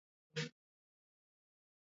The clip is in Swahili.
Wewe ni mfupi sana